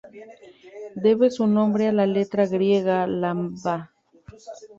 Debe su nombre a la letra griega lambda.